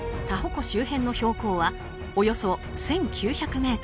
タホ湖周辺の標高はおよそ１９００ｍ。